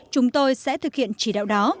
chúng tôi sẽ thực hiện chỉ đạo đó